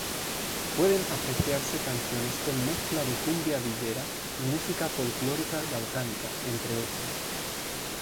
Pueden apreciarse canciones con mezcla de cumbia villera y música folclórica balcánica, entre otros.